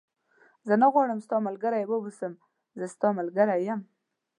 زه نه غواړم ستا ملګری و اوسم، زه ستا ملګری یم.